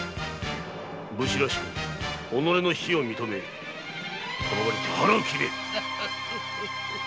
武士らしく己の非を認めこの場で腹を切れ！